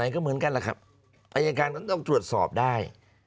ก็เหมือนกันแหละครับอายการก็ต้องตรวจสอบได้